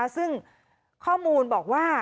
ซึ่งข้อมูลบอกว่า